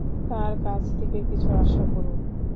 তার কাছ থেকে কিছু আশা করো না।